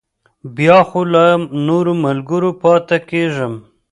بیا خو له نورو ملګرو پاتې کېږم.